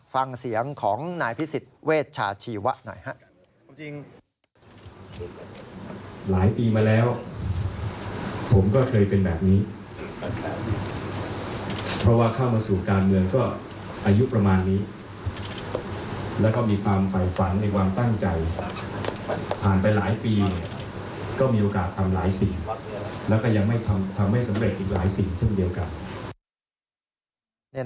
ฟังเสียงของนายพิศิษฐ์เวชชาชีวะหน่อย